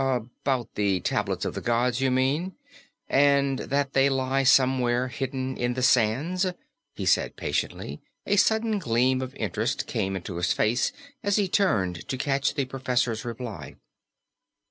"About the Tablets of the Gods, you mean and that they lie somewhere hidden in the sands," he said patiently. A sudden gleam of interest came into his face as he turned to catch the professor's reply.